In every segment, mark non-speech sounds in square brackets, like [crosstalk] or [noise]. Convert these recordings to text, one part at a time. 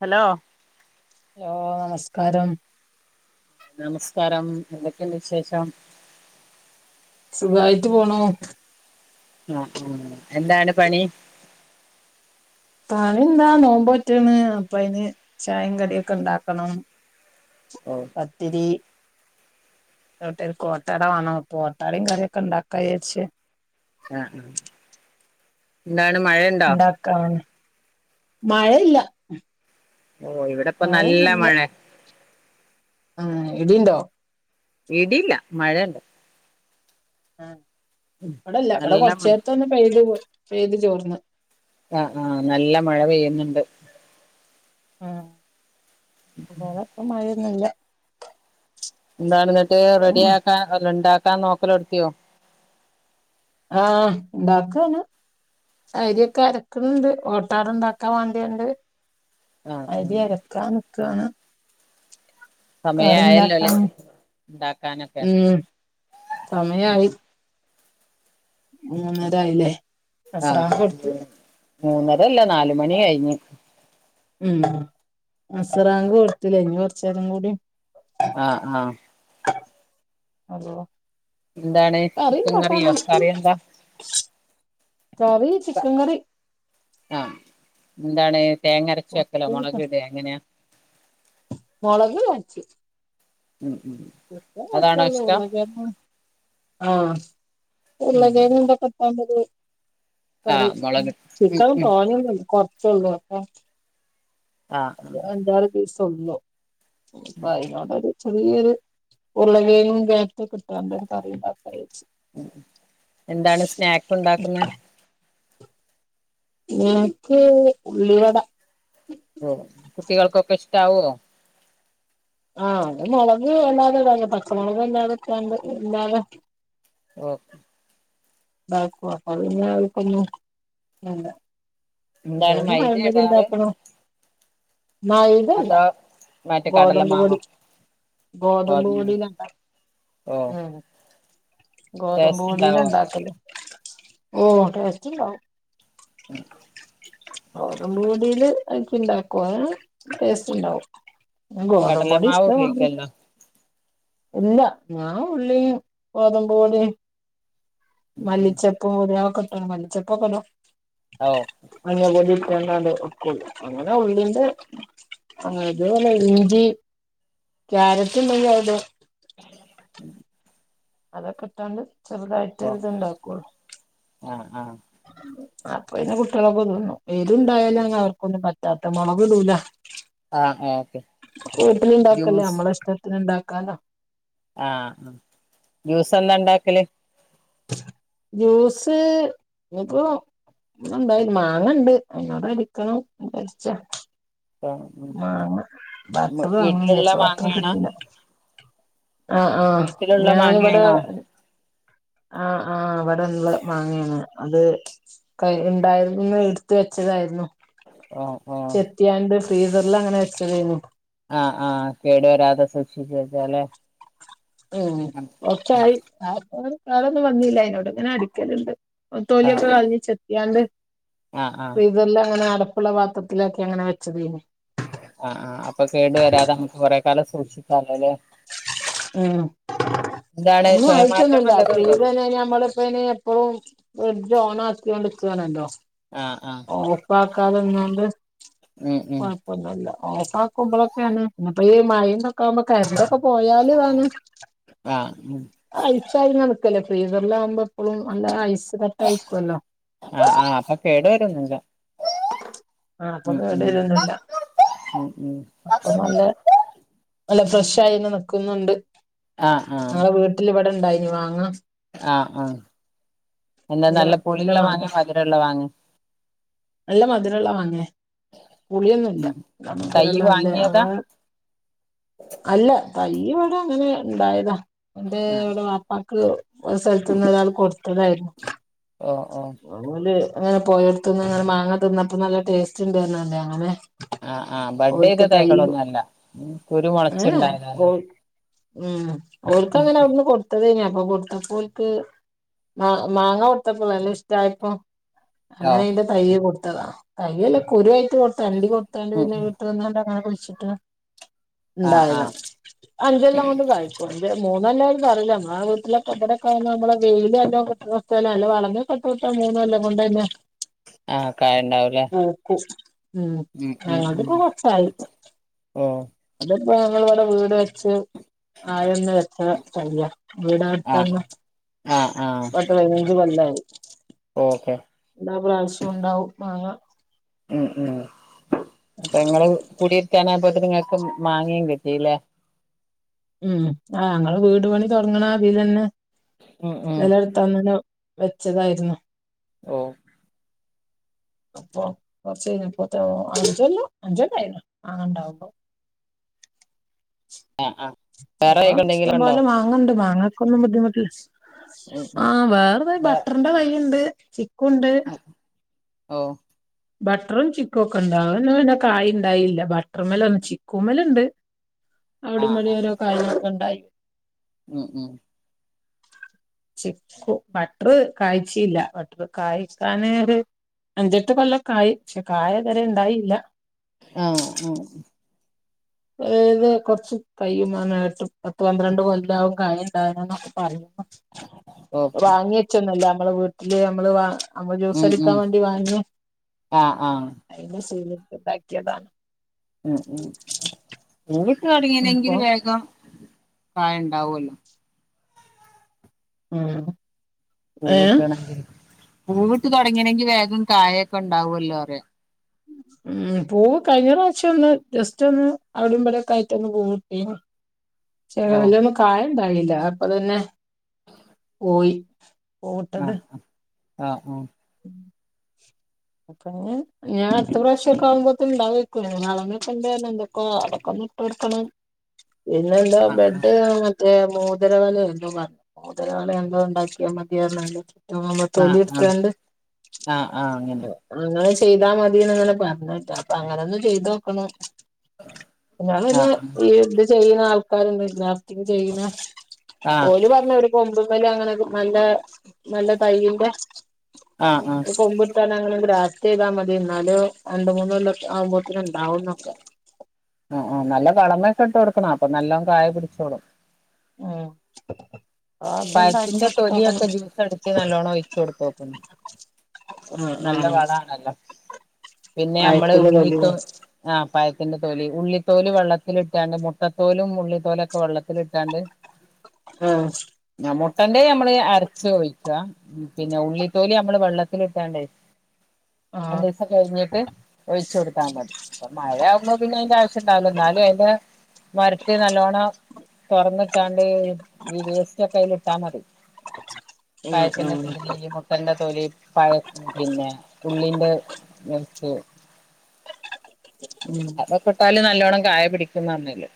Hello? ഓ നമസ്കാരം. നമസ്കാരം എന്തൊക്കെണ്ട് വിശേഷം? സുഖായിട്ട് പോണൂ. ആ ഉം എന്താണ് പണി? പണിന്താ നോമ്പോറ്റന്ന് അപ്പ അയിന് ചായേം കടിയൊക്കെ ഇണ്ടാക്കണം. ഓ പത്തിരി. [unintelligible] വാണം പ്പോ ഓട്ടടെം കറിയൊക്കെ ഉണ്ടാക്കാരിച്ച്. ആ എന്താണ് മഴെണ്ടോ? ഇണ്ടാക്കാണ് മഴയില്ല. ഓ ഇവിടെപ്പം നല്ല മഴെ. ആ ഇടീണ്ടോ? ഇടില്ല മഴെണ്ട്. ആ ഇവിടില്ല. ഇവിടെ നല്ല കൊറച്ച് മഴ നേരത്തെ ഒന്ന് പെയ്ത് പെയ്ത് ചോർന്ന്. ആ ആ നല്ല മഴ പെയ്യുന്നുണ്ട്. ആ [unintelligible] ഇപ്പ മഴയൊന്നുല്ല. എന്താണ് എന്നിട്ട് റെഡിയാക്കാ അല്ല ഇണ്ടാക്കാൻ നോക്കല് തേടത്തിയോ ആ ഇണ്ടാക്കാണ്. അരിയൊക്കെ അരക്കണുണ്ട് ഓട്ടട ഉണ്ടാക്കാൻ വേണ്ടിയണ്ട്. ആഹ് അരി ആഹ് അരക്കാൻ നിക്കാണ്. കറി സമയായല്ലോ അല്ലേ ഇണ്ടാക്കാം ഉണ്ടാക്കാനൊക്കെ ഉം സമയായി. മൂന്നര ആയില്ലേ. ആ മൂന്നര അല്ല നാലു മണി കഴിഞ്ഞു. ഉം അസറാങ്കു കൊടുത്തൂലെ ഇനി കൊറച്ചു നേരം കൂടിം ആഹ് ആഹ് എന്താണ് കറി ചിക്കൻ കറിയോ ഇണ്ടാക്കാണ്. കറി എന്താ കറി ചിക്കൻ കറി. ആഹ് എന്താണ് തേങ്ങരച്ച് വെക്കലോ മുളക് ഇടേ എങ്ങനാ അതാണോ ഇഷ്ടം [unintelligible] ആ ഉരുളൻ ഉം കിഴങ്ങ് ഇതൊക്കെ ഇട്ടാ മതി. കറി ആഹ് മുളക് ഉം ചിക്കൻ ഉം തോനൊന്നൂല്ല. കുറച്ചൊള്ളൂ. അപ്പ ആഹ് ആഹ് അഞ്ചാറ് പീസൊള്ളൂ. അപ്പൊ അതിനോണ്ടൊരു ചെറിയൊരു ഉരുളൻ കിഴങ്ങും ക്യാരറ്റൊക്കെ ഇട്ടോണ്ടൊരു കറി ഉണ്ടാക്കും. എന്താണ് സ്നാക്ക് ഉണ്ടാക്കുന്നെ? എനിക്ക് ഉള്ളി വട ഓ കുട്ടികൾക്കൊക്കെ ഇഷ്ട ആവോ? ആ അത് മുളക് അല്ലാതെ ഇടാൻ പച്ചമളക് അല്ലാതെ ഇട്ടാണ്ട് ഇല്ലാതെ ഓക്കെ ഉണ്ടാക്കും അപ്പൊ പിന്നെ അവർക്കൊന്നും വേണ്ട. എന്താണ് [unintelligible] മൈദ പഴംപൊരി ഇടാറ് ഇണ്ടാക്കണം. ന ഇതല്ല. അതോ മറ്റേ കടലമാവോ ഗോതമ്പ്പൊടി ഗോതമ്പ് ഗോതമ്പ്പൊടീടെ ഉണ്ടാക്കി. ഓ ഗോതമ്പു ടേസ്റ്റ് പൊടീടേ ഉണ്ടാവോ ഉണ്ടാക്കല്. ഓ ടേസ്റ്റ് ഇണ്ടാവും. ഗോതമ്പുപൊടിയില് അതൊക്കെ ഇണ്ടാക്കും അതിന് ടേസ്റ്റ് ഉണ്ടാവും. ഗോതമ്പുപൊടി കടലമാവ് ഇഷ്ടം മാതിരി ഉപയോഗിക്കല്ലോ ഇല്ല. ഞാൻ ഉള്ളീം ഗോതമ്പു പൊടീം മല്ലിച്ചെപ്പും ഉലുവ ഒക്കെട്ടണ് മല്ലിച്ചെപ്പൊക്കൊലൊ ഓ മഞ്ഞപ്പൊടിം രണ്ടാണ്ട് [unintelligible] അങ്ങനെ ഉള്ളിന്റെ ഇതേപോലെ ഇഞ്ചി ക്യാരറ്റുണ്ടെങ്കി അതിടു ഉം അതൊക്കെ ഇട്ടാണ്ട് ചെറുതായിട്ട് ഓ ഇത് ഇണ്ടാക്കോളൂ. ആഹ് ആഹ് അപ്പൊ പിന്നെ കുട്ടികളൊക്കെ തിന്നും. എരുവുണ്ടായാലും അങ്ങ് അവർക്കൊന്നും പറ്റ തത്ത മുളക് ഇടൂല. ആഹ് ഓക്കെ വീട്ടിലിണ്ടാക്കല്ലേ നമ്മളെ ഇഷ്ടത്തിനിണ്ടാ ക്കാലോ ആ ജ്യൂസ് എന്താ ഉണ്ടാക്കല് ജ്യൂസ് ഇനിയിപ്പൊ ഒന്നുണ്ടായി മാങ്ങണ്ട് അങ്ങട് അടിക്കണം [unintelligible] മാങ്ങ ബട്ടറ് ഇടണന്ന് വീട്ടിലുള്ള വിചാരിച്ച് ബട്ടറ് മാങ്ങയാണോ കിട്ടീല്ല. ആ ആ വീട്ടിലുള്ള ഞാനിവിടെ മാങ്ങയാണോ ആ ആ അവിടെയുള്ള മാങ്ങേയാണ് അത് കയി ഉണ്ടായിന്ന് എടുത്ത വെച്ച ഇതായിരുന്നു. ഓ ഓ ചെത്തിയാൻട് ഫ്രീസറില് അങ്ങനെ വച്ചതായിരുന്നു. ആ ആ കേടു വരാതെ സൂക്ഷിച്ച വച്ചാലേ ഉം ഒക്കായി ആ കാളൊന്നും വന്നില്ല അോട് ഇങ്ങനെ അടുക്കലണ്ട് ആഹ് തോലിയൊക്കെ കളഞ്ഞ ചെത്തിയാണ്ട് ആഹ് ആഹ് ഫ്രീസറില് അങ്ങനെ അട പ്പള പാത്രത്തിലൊക്കെ അങ്ങനെ വെച്ചത് ആ ആ അപ്പൊ കേടു വരാതെ നമ്മുക്ക് കൊറെ കാലം സൂക്ഷിക്കാലോ അല്ലേ ഉം എന്താണ് ഒന്നും സ്വയമാറ്റം ആവശ്യൊന്നുമില്ല വല്ലതും ഉണ്ടോ പിന്നീത തന്നെ ഞമ്മളപ്പെ എപ്പഴും ഫ്രിഡ്ജ് ഓൺ ആക്കിൊണ്ട്ിരിക്കാനല്ലോ ആഹ് ആഹ് ഓഫ് ആക്കാതെ ഇന്നോണ്ട് ഉം ഉം കൊഴപ്പൊന്നല്ല ഓപ്പ ആക്കുമ്പോളൊക്കെയാണ് ഇപ്പ ഈ മഴ നൊക്കാ്പൊ ക അപ്പൊ പോയാല് വന്ന് ആഹ് ഉം അഴച്ചായി ഫ്രീസറില ആവുമ്പോ എഴും ആ ആഹ അപ്പൊ കേടുവരന്നല്ല ആഹ അപ്പൊ കേടയിലൊന്നുംില്ല ഉം ഉം അല്ല ഫ്രഷ ആയിന് നിൽക്കുന്നുണ്ട് ആഹ് ആഹ് ഞങ്ങളെ വീട്ടിൽ ഇവിടെ ഇണ്ടായിനി വാങ്ങാം ആഹ് ആഹ എന്താ നല്ല പുളികുള്ള മാങ്ങ മധുരുള്ള മാങ്ങ നല്ല മധുരല്ല മാങ്ങ ഉം തൈ പുളിയൊന്നുംല്ലല്ലാം അല്ലേ അത വാങ്ങിയതാ അല്ല അയ്യ ഇവിടെ അങ്ങനെ ഉണ്ടായതാ എന്റെ ആഹ് ഇവിടെ വാപ്പാ സ്ഥലത്തന്ന ഒരാൾ കൊടുത്തതായിരുന്നു ഓഹ് ഓഹ് അപല് അങ്ങനെ പോയയിടുത്തുന്ന് ഇങ്ങനെ മാങ്ങ തിന്നപ്പോ നല്ല ടേസ്റ്റ് ഉണ്ടായിരല്ലേ അങ്ങനെ ആഹ ആ് ഓൽക്ക് ബർഡേയുടെ തൈ തൈകളൊന്നും അല്ല ഏഹ് കുരുമുളച്ചുണ്ടായതാല് ഓൽ ഉം അവർക്ക് അങ്ങനെ അവിടുന്ന് കൊടുത്തത്ഞ്ഞാ അപ്പൊ കൊടുത്തപ്പോർക്ക് മാങ്ങ കൊടുത്തപ്പോള നല്ല ഇഷ്ടായപ്പൊ അല്ല ഓഹ് അതിന്റെ തയ്യ കൊടുത്ത താ കയ്യല്ല കുരുവായിട്ട് കൊടുത്ത അണ്ടടി കൊടുത്തണ്ട് ഉം പിന്നെ ഉം വിീട്ട് വന്നണ്ട് അങ്ങനെ കുളിച്ചിട്ട് ആഹ് ഉണ്ടായതാ ആഹ് അഞ്ചെല്ലാം കൊണ്ട് കഴക്കും മൂന്നെല്ലരും പറയില്ല ന ആ വീട്ടിലെവിടക്ക നമ്മെ വെയിലൽ എല്ലോ കിട്ടോ സ്ഥല അല്ല വളഞ്ഞ കട്ട് കട്ട മൂന്നുംല്ല കൊണ്ട് തന്നെ ആഹ് കായുണ്ടാവൂലേ ഉം ആ അത്പ്പോ കുറച്ചായി ഓ ഇപ്പൊ ഞങ്ങള ഇവിടെ വീട് വെച്ച് ആയൊന്ന വെച്ച കരില്ല ആഹ് വീടട്ടന്ന് ആഹ് ആഹ് പത്തപൈനഞ്ച് കൊല്ലായി ഓക്കെ എല്ലാ പ്രാവശ്യം ഉണ്ടാവും മാങ്ങ ഉം ഉം അപ്പൊ ങ്ങ കൂടിയിരുത്ത നിങ്ങൾക്ക് മാങ്ങിയം കിട്ടീല്ലേ ഉം ആ ഞങ്ങൾ വീട് പണി തുടങ്ങണ അതിൽ തന്നെ ഉം ഉം നില എടുത്താന്നല്ല വെച്ചതായിരുന്നു ഓ അപ്പൊ കൊറച്ചപ്പോത്തെ അഞ്ചല്ലോ അഞ്ച കയില്ല അനണ്ടാവുമ്പോ [inaudible] ആഹ് ആഹ് വേറെ അപ്പൊ തൈകൾ ഇഷ്ടം എന്തെങ്കിലും ഉണ്ടോ പോലെ മാങ്ങണ്ട് മാങ്ങ ന്നും ബുദ്ധിമുട്ടില്ല ഉം ആ വേറത വേ ബട്ടറിന്റെ കയ്ുണ്ട് കുണ്ട് ഓ ബട്ടറും ചിക്കുവ ഒക്കെ ഇണ്ടാവന്ന പിന്നെ കായ് ഉണ്ടായില്ല ബട്ടർ മല ഒന്ന ചിക്കു മലുണ്ട് അവിടെ വഴ ഓരോ കാര്യങ്ങളൊക്കെ ഉണ്ടായി മം ഉ ച ബട്ടർ കായച്ചല്ല ബട്ടർ കായക്കാന് ഒരു അഞ്ചെട്ട് കൊള്ളക്കായ് പക്ഷെ കായ തരെ ഉണ്ടായില്ല ആഹ ആഹ [unintelligible] അതത് കൊറച്ച് കൈയ്യുമാട്ട് പത്ത് പന്ത്രണ്ട് കൊല്ലകും കായ ൊ പറ ഓ വാങ്ങ വച്ചൊന്നുമല്ല നമ്മള് വീട്ടില് നമ്മള് വ അമ്മ ജ്യൂസ ഉം എടുക്കാൻ ഉം വേണ്ടി വാങ്ങു ആഹ് ആഹ് അതി ശല താക്കിയതാണ് ഉം ഉം അപ്പൊ ടങ്ങനെങ്കിലിൽ വേഗം കായ ഉണ്ടാവല്ലോ ഉം ഏഹ് പൂവിട്ടണ പൂവിട്ട് തുടങ്ങിയണെങ്കി വേഗം കായൊക്കെ ഉണ്ടാവുവല്ലോ അറിയ ഉ പൂവ് കഴിഞ്ഞ പ്രാവ്ശ്യം ഒന്ന് ജസ്റ്റ് ഒന്ന് അവിടുമ്പടെൊക്ക ആയിട്ടൊന്ന് പൂ കിട്ടീ ചെല ഓ വലൊന്നും കായം ഉണ്ടായില്ല അപ്പൊ തന്നെ പോയി പോട്ടത് ആ ആ അപ്പ ഞാൻ എത്ര പ്രാവശ്യ ഒക്കെ ആകുമ്പോത്തും ഇണ്ടാവാളക്കണ്ട എന്തൊക്ക അ ഇടുക്കണം പിന്നെ എന്താ ആഹ് ബെഡ് മറ്റേ മോദരവലയ എന്തോ പറഞ്ഞു മോദരവല എന്തോ ഉണ്ടാക്കിയാ മതിയാ ആ മ ഒലി ഇർക്കണ്ട് ആഹ ആഹ് അങ്ങനെ ന്ന് ചെയ്താൽ മതിന്നങ്ങനെ പറഞ്ഞട്ട അപ്പൊ അങ്ങനെ ഒന്ന് ചെയ്ത് നോക്കണം അ പിന്നെ ആഹ് ഈ ഇത് ചെയ്യുന്ന ആൾക്കാരുണ്ടല്ല ചെയ്യുന്ന ആഹ് ഓല പറഞ്ഞ ഇവിട കൊമ്പല്ല അങ്ങനെ നല്ല നല്ലതൈന്റെ ആ ആ ങ്ങ ഗ്രാസ്റ്റ് ചെയ്താ മതി എന്നാല രണ്ട മൂന്നല്ല ആവുമ്പോഴത്തനും ഉണ്ടാവന്നൊക്കെ ആ ആ നല്ല വളമൊക്കെ ഇട്ട് കൊടുക്കണം അപ്പൊ നല്ലോ കായ പിടിച്ചോടും ഉം അത്ണ്ടാക്കി പഴത്തിന്റെ നോക്കണം തൊലിയൊക്കെ ജ്യൂസ അടിച്ച്നല്ലവോണം ഒഴിച്ചു കൊടുത്ത നോക്കുന്നു ആഹ് നല്ല ആഹ് വളണല്ലോ പിന്നെ നമ്മള് പഴത്തില് ഉള്ളിത്ത ആ പഴത്തിന്റെ തോലി ഉള്ളി തോല് വെള്ളത്തിട്ടാണ്ട് മുട്ട തോലും മള്ളിത്തോലും ഒക്കെ വെള്ളത്തിട്ടാണ്ട് ആ മുട്ടന്റെ നമ്മള് അരച്ച ഒഴിക്കുക പിന്നെ ഉള്ളിത്തോലി നമ്മള് വെള്ളത്തിൽട്ടാണ്ടായി ഉ മഴ ആഹ് ദിവസം കഴിഞ്ഞിട്ട് ഒഴിച്ചു കൊടുത്താൽ മതി മഴ ആവുമ്പോ പിന്നെ അതിന്റെ ആവശ്യം ഉണ്ടാവല്ലോ എന്നാലും അ മര നല്ലോണം തുറന്നട്ടാണ്ട് കയ്ൽ ഇട്ടാ മതി ഉം പഴത്തിന്റെ ഉം തോലി മുട്ടെൻ്റെ തോലി പ പിന്നെ ഉള്ളിന്റെ ഉം അതൊക്കെട്ടാലും ന നല്ലോണം കായ പിടിക്കുന്നണല്ല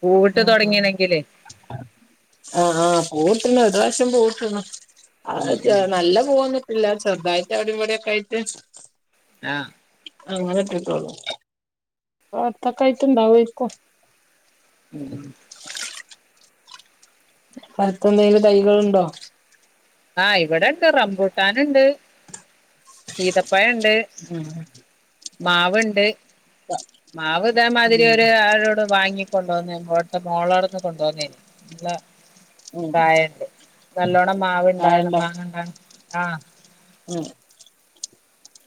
പൂവിട്ട് തുടങ്ങീണെങ്കില് ആഹ ആഹ് പൂട്ടണ് ഒരു പ്രാവശ്യം പൂട്ടന്ന അ ഉം ഉം നല്ല പോന്ന ഇല്ല ശ്രദ്ധായിട്ട് എവിടെ എവിടെക്കെ ആയിട്ട് ആ! അങ്ങനെത്തോന്നറത്തൊക്കൊയിട്ട് ഇണ്ടാവക്കോ ഉം അടുത്തന്തെങ്കിലും തൈകളുണ്ടോ? ആ ഇവിടെണ്ട് റംബൂട്ടാനുണ്ട്. സീതപ്പായുണ്ട് ഉം മാവുണ്ട് മാവ് ഇതമാതിരി ഒര് ആളോട് വാങ്ങ കൊണ്ട പോന്നേ മോട്ട മോളടന്ന് കൊണ്ട പോന്നേല്ല ഉം ഉം കായുണ്ട് നല്ലോണം മാവണ്ട് കായണ്ടോ [unintelligible] ഉം [inaudible]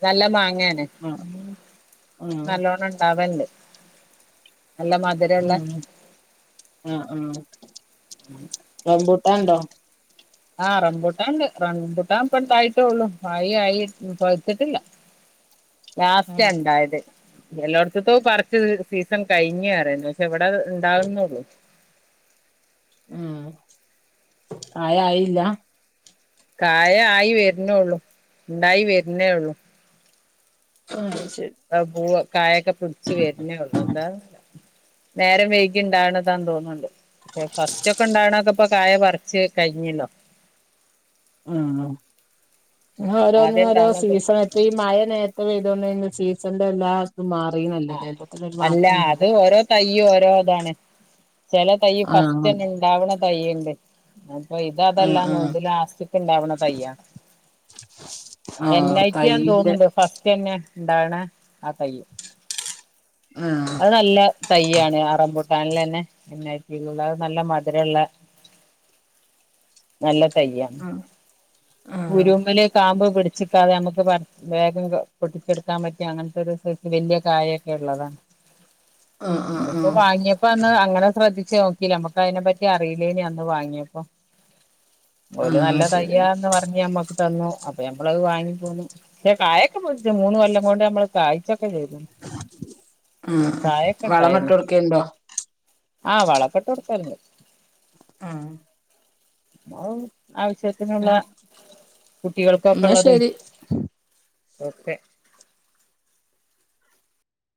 നല്ല മാങ്ങാണ് ആഹ് ആഹ് നല്ലോണം ഇണ്ടാവണ്ട് ഉം ആ ആ റംബു ടണ്ടോ ആ റപുട്ടാൻ റംപുട്ടാൻ ഇപ്പന്ണ്ടായിട്ടേള്ളു ആയി ആയി പഴ്ത്ത്ട്ടില്ല ഉം ലാസ്റ്റ് ഇണ്ടായത് എല്ലായിടത്തത്തും പറച്ച് സീസൺ കഴിഞ്ഞേരുന്നു പക്ഷെ എവിടെ ഇണ്ടാവുന്നുള്ളു [inaudible] ഉം കായ ആയില്ല കായ ആയി വരുന്നേള്ളു ഇണ്ടായി വരുന്നേ ഉള്ളു ഉം പൂവ് കായൊക്കെ പിടിച് വരുന്നേ ഉള്ളൂ എന്താ നേരം വൈകി ഇണ്ടണതാന്ന് തോന്നുന്നുണ്ട് പക്ഷെ ഫസ്റ്റ് ഒക്കെ ഇണ്ടകൊക്കെപ്പൊ കായ പറിച്ച് കഴിഞ്ഞല്ലോ ആഹ് ഓരോന്നും ആദ്യം ഓരോ ഇണ്ടാവണൊക്കെ സീസൺ ഇപ്പം ഈ മഴ നേരത്തെ പെയ്തോണ്ട സീസണന്റെ എല്ലാ ഇതും ആ മാറീണല്ലല്ലേ എല്ലാത്തിനും ഒരു അല്ല അത് മാറ്റണ്ടല്ലോ ഓരോ തയ്യും ഓരോ ഇതാണ് ചെല തൈ ആഹ് ഫസ്റ്റ് അങ്ങനെ തന്ന ഇണ്ടാവണ തയ്യണ്ട് വ ഇത ആഹ് അതെല്ലാം ആഹ് തോന്ന് ണ് ലാസ്റ്റക്ക് ഇണ്ടാവണ തയ്യ എ ൻ ആഹ് ഐ പി ആണ് തൈയിന്റെ തോന്നുന്നുണ്ട് ഫസ്റ്റ് തന്നെ ഇണ്ടാണ് ആ തയ്യ ആഹ് അത് നല്ല തയ്യ് ആണ് ആ റംപൂ കാനിൽ തന്നെ നല്ല [unintelligible] മധുരുള്ള നല്ല തയ്യാ ആഹ് ആഹ് കുരുമൽ കാമ്പ പിടിച് നിക്കാതെ നമുക്ക് വേഗം പൊട്ടി ച്ചെടുക്കാൻ പറ്റും അങ്ങനത്തെ ഒരു വലിയ കായൊക്കെ ഉള്ളതാണ് ആഹ് ആഹ് ഇതിപ്പോ ആഹ് വാങ്ങിയപ്പോ അന്ന് അങ്ങനെ ശ്രദ്ധിച്ച ച്ചി നോക്കില നമ്മക്ക് അതിനെ പറ്റി അറിയില്ലേനി അന്ന് വാങ്ങിയപ്പോ ല് ആഹ് നല്ല ശരി തയ്യന്ന് പറഞ് അമ്മക്ക് തന്നു അപ്പൊ നമ്മളത് വാങ്ങി പോകു പക്ഷെ കായക്കെച് മൂന്ന് കൊല്ലം കൊണ്ട് നമ്മള് കായ ക ചെയ്ത് ണ് ഉം വളമട്ടോട്ക്കെുണ്ടോ ആ വളക്കെട്ട് കൊടുക്കൽ ണ്ട് ആ മ ആവശ്യത്തിനുള്ള എന്നാ കുട്ടികൾക്കൊക്കെ എന്നാ ഉള്ളത് ശരി ഓക്കെ